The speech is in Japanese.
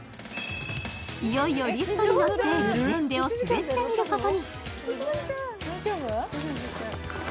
いよいよリフトに乗ってゲレンデを滑ってみることに。